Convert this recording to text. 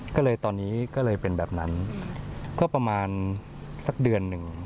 ก็เลยตอนนี้ก็เลยเป็นแบบนั้นก็ประมาณสักเดือนหนึ่ง